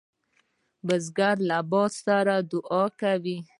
بزګر له باد سره دعا کوي